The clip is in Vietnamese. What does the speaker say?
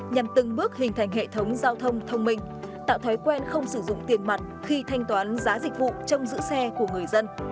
nhằm từng bước hình thành hệ thống giao thông thông minh tạo thói quen không sử dụng tiền mặt khi thanh toán giá dịch vụ trong giữ xe của người dân